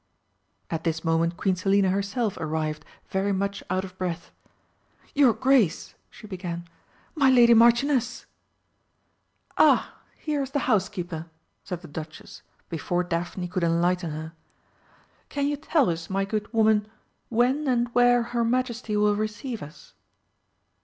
At this moment Queen Selina herself arrived, very much out of breath. "Your Grace!" she began, "My lady Marchioness!" "Ah, here is the housekeeper!" said the Duchess, before Daphne could enlighten her. "Can you tell us, my good woman, when and where her Majesty will receive us?"